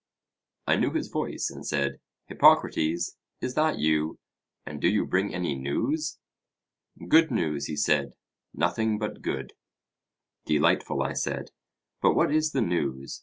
I knew his voice, and said: Hippocrates, is that you? and do you bring any news? Good news, he said; nothing but good. Delightful, I said; but what is the news?